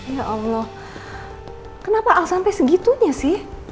ya allah kenapa al sampe segitunya sih